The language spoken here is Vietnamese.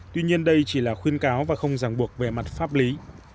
tuy nhiên đây chỉ là khuyên cáo và không giảng buộc về mặt pháp lý